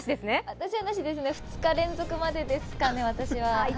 私は２日連続までですかね。